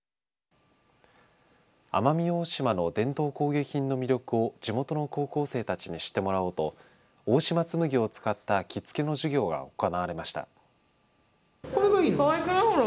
奄美大島の伝統工芸品の魅力を地元の高校生たちに知ってもらおうと大島紬を使った着付けの授業が行われました。